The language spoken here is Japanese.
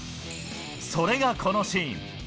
それがこのシーン。